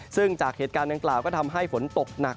ซึ่งจากเหตุการณ์ดังกล่าวก็ทำให้ฝนตกหนัก